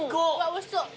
おいしそう。